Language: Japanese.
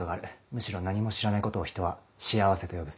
むしろ何も知らないことを人は幸せと呼ぶ。